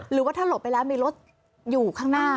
หรือว่าถ้าหลบไปแล้วมีรถอยู่ข้างหน้า